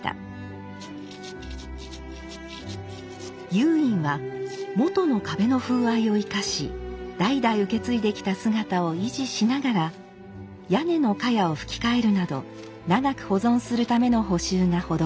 又隠はもとの壁の風合いを生かし代々受け継いできた姿を維持しながら屋根のかやをふき替えるなど長く保存するための補修が施されました。